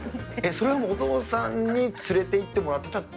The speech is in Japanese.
それはお父さんに連れて行ってもらったと。